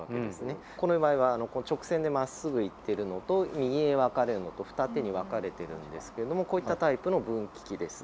この場合は直線でまっすぐ行ってるのと右へ分かれるのと二手に分かれてるんですけどもこういったタイプの分岐器です。